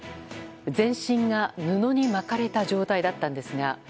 全身が布に巻かれた状態だったんですが。